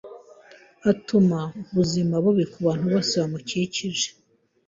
Atuma ubuzima bubi kubantu bose bamukikije.